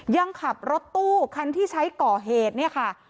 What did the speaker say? ยังขับรถตู้คันที่ใช้ก่อเหตุเนี่ยค่ะ